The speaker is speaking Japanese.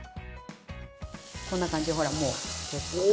こんな感じでほらもう。